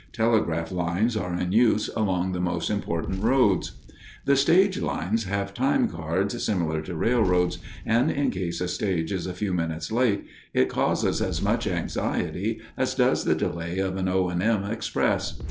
Telegraph lines are in use along the most important roads. The stage lines have time cards similar to railroads, and in case a stage is a few minutes late, it causes as much anxiety as does the delay of an O. & M. express.